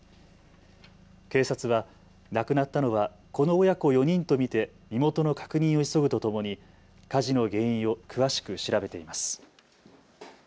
警察は亡くなったのはこの親子４人と見て身元の確認を急ぐとともに火事の原因を詳しく調べています。